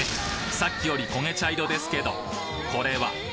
さっきよりこげ茶色ですけどこれは？